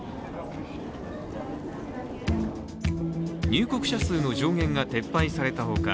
入国者数の上限が撤廃されたほか